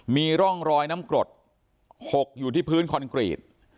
มีร่องรอยน้ำกรดหกอยู่ที่พื้นคอนกรีต